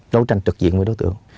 đấu tranh trực diện với đối tượng